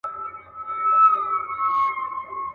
د اخترونو د جشنونو شالمار خبري.